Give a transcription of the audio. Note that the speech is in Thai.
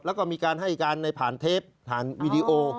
แล้วก็มีการให้การในผ่านเทปผ่านวีดีโอ